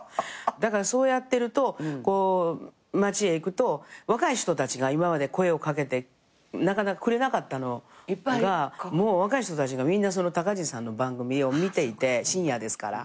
だからそうやってると街へ行くと若い人たちが今まで声を掛けてくれなかったのがもう若い人たちがみんなたかじんさんの番組を見ていて深夜ですから。